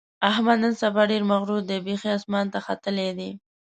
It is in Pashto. احمد نن سبا ډېر مغرور دی؛ بیخي اسمان ته ختلی دی.